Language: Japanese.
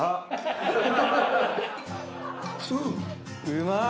うまい！